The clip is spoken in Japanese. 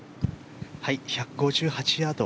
１５８ヤード。